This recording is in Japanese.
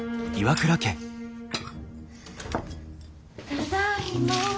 ただいま。